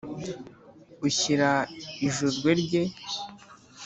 ushyira i jurwe rye